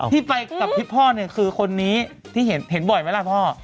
ที่ไปกับพี่พ่อเนี่ยคือคนนี้ที่เห็นบ่อยไหมล่ะพ่อ